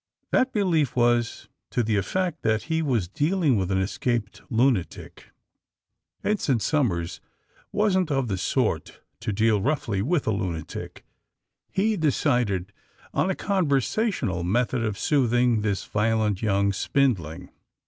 That be lief was to the effect that he was dealing with an escaped lunatic. Ensign Somers wasn't of the sort to deal roughly with a lunatic. He de cided upon a conversational method of sooth ing this violent young spindling.